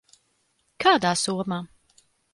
Kādā somā?